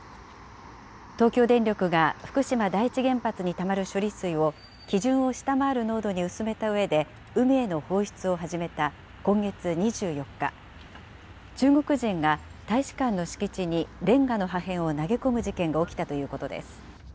東京電力が福島第一原発にたまる処理水を、基準を下回る濃度に薄めたうえで海への放出を始めた今月２４日、中国人が大使館の敷地にレンガの破片を投げ込む事件が起きたということです。